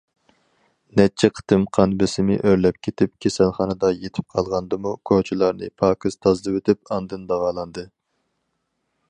نەچچە قېتىم قان بېسىمى ئۆرلەپ كېتىپ كېسەلخانىدا يېتىپ قالغاندىمۇ، كوچىلارنى پاكىز تازىلىۋېتىپ ئاندىن داۋالاندى.